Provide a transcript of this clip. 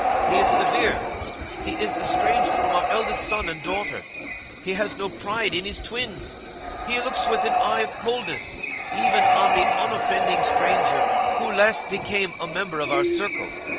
He is severe. He is estranged from our eldest son and daughter, he has no pride in his twins, he looks with an eye of coldness even on the unoffending stranger who last became a member of our circle.